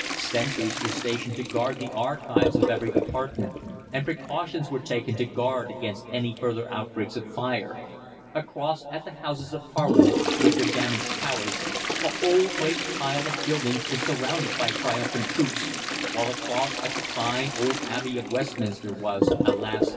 Sentries were stationed to guard the archives of every department, and precautions were taken to guard against any further outbreaks of fire. Across at the Houses of Parliament, with their damaged towers, the whole great pile of buildings was surrounded by triumphant troops, while across at the fine old Abbey of Westminster was, alas!